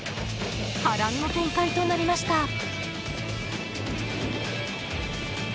波乱の展開となりました。